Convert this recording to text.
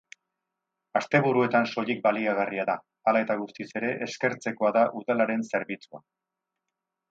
Asteburuetan soilik baliagarria da, hala eta guztiz ere eskertzekoa da udalaren zerbitzua.